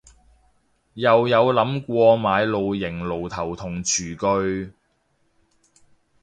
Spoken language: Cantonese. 又有諗過買露營爐頭同廚具